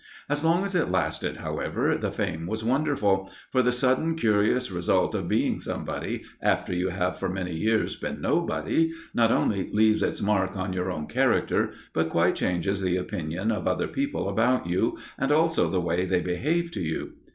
As long as it lasted, however, the fame was wonderful; for the sudden, curious result of being somebody, after you have for many years been nobody, not only leaves its mark on your own character, but quite changes the opinion of other people about you, and also the way they behave to you.